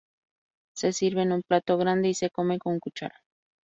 Se sirve en un plato grande y se come con cuchara.